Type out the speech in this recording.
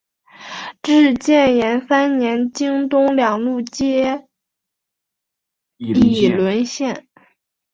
至建炎三年京东两路皆已沦陷。